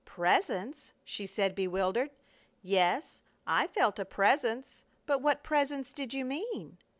"Presence?" she said, bewildered. "Yes, I felt a presence, but what presence did you mean?"